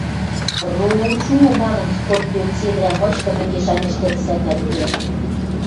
– Пр-р-роучу! – манын, сход пӧрт седӹрӓ мычкы мӹнгеш-анеш тӹдӹ сӓрнӓл кеӓ.